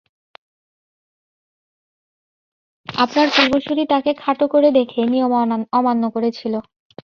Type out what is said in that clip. আপনার পূর্বসূরি তাকে খাটো করে দেখে নিয়ম অমান্য করেছিল।